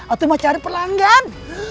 aku mau cari pelanggan